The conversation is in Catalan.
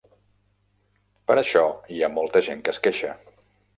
Per això hi ha molta gent que es queixa.